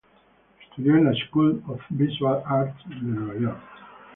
Estudió en la School of Visual Arts de Nueva York.